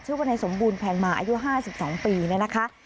ชื่อวันนายสมบูรณ์แผนมาอายุ๕๒ปีนะคะ